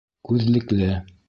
Күҙлекле.